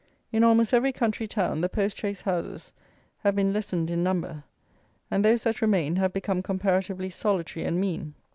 In almost every country town the post chaise houses have been lessened in number, and those that remain have become comparatively solitary and mean.